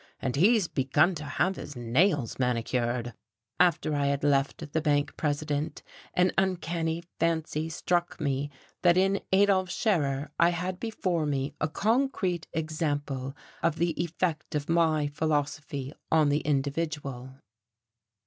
And he's begun to have his nails manicured." After I had left the bank president an uncanny fancy struck me that in Adolf Scherer I had before me a concrete example of the effect of my philosophy on the individual....